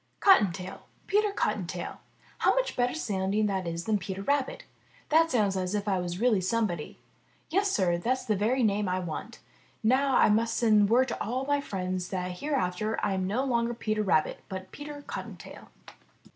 ''Cottontail, Peter Cottontail ! How much better sounding that is than Peter Rabbit! That sounds as if I really was somebody. Yes, Sir, that's the very name I want. Now I must send word to all my friends that hereafter I am no longer Peter Rabbit, but Peter Cottontail.''